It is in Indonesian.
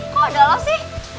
kok udah lo sih